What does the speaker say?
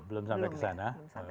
belum sampai ke sana